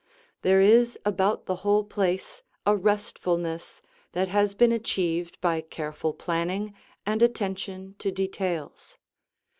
There is about the whole place a restfulness that has been achieved by careful planning and attention to details.